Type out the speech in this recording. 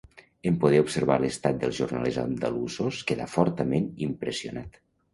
En poder observar l'estat dels jornalers andalusos quedà fortament impressionat.